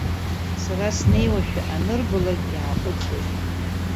Сара снеиуашәа анырбалак иааҟәыҵуеит.